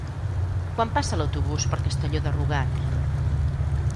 Quan passa l'autobús per Castelló de Rugat?